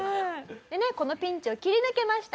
でねこのピンチを切り抜けました。